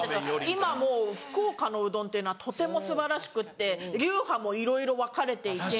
今もう福岡のうどんっていうのはとても素晴らしくって流派もいろいろ分かれていて。